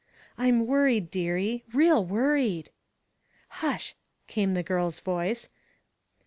"I'm worried, dearie real worried." "Hush," came the girl's voice. "Mr.